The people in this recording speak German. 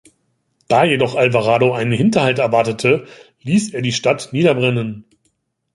Da jedoch Alvarado einen Hinterhalt erwartete, ließ er die Stadt niederbrennen.